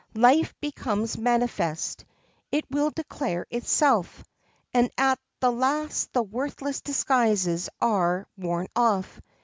Life becomes manifest. It will declare itself, and at last the worthless disguises are worn off.